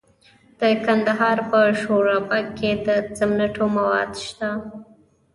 د کندهار په شورابک کې د سمنټو مواد شته.